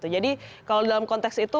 jadi kalau dalam konteks itu